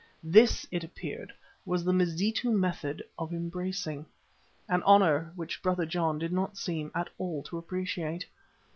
This, it appeared, was the Mazitu method of embracing, an honour which Brother John did not seem at all to appreciate.